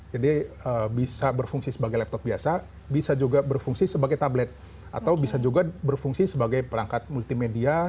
jadi bisa berfungsi sebagai laptop biasa bisa juga berfungsi sebagai tablet atau bisa juga berfungsi sebagai perangkat multimedia